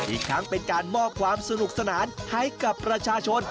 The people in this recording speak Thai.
อีกทั้งเป็นการมอบความสนุกสนานให้กับประชาชน